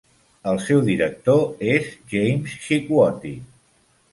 El seu director és James Shikwati.